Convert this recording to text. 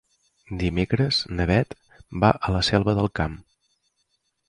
Dimecres na Beth va a la Selva del Camp.